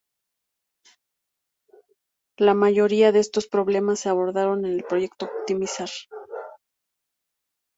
La mayoría de estos problemas se abordaron en el Proyecto Optimizar.